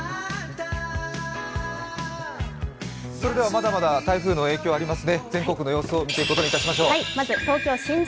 まだまだ台風の影響がありますね、全国の様子を見ていくとことにいたしましょう。